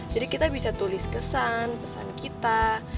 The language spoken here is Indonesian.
jadi kita bisa tulis kesan pesan kita